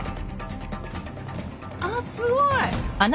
あすごい！